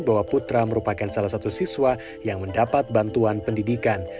bahwa putra merupakan salah satu siswa yang mendapat bantuan pendidikan